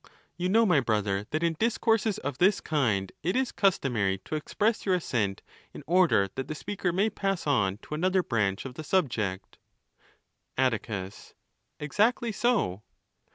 You know, my brother, that in dis courses of this kind, it is customary to express your assent, in order that the speaker may pass on to another branch of the, subject. XII. Atticus.—Exactly so.